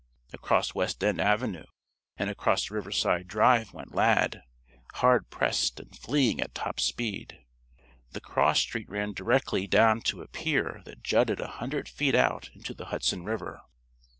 Across West End Avenue and across Riverside Drive went Lad, hard pressed and fleeing at top speed. The cross street ran directly down to a pier that jutted a hundred feet out into the Hudson River.